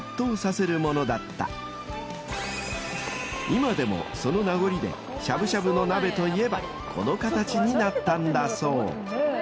［今でもその名残でしゃぶしゃぶの鍋といえばこの形になったんだそう］